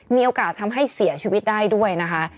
มีโอกาสทำให้เสียชีวิตได้ด้วยนะคะ